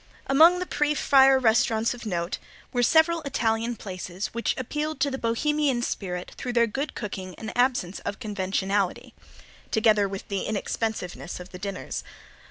Among the pre fire restaurants of note were several Italian places which appealed to the Bohemian spirit through their good cooking and absence of conventionality, together with the inexpensiveness of the dinners.